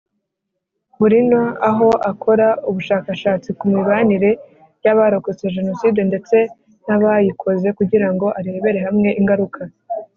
burino aho akora ubushakashatsi ku mibanire y abarokotse Jenoside ndetse n abayikoze kugirango arebere hamwe ingaruka